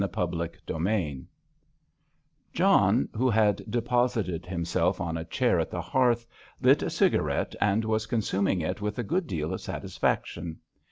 CHAPTER XVII John, who had deposited himself on a chair at the hearth, lit a cigarette, and was consuming it with a good deal of satisfaction.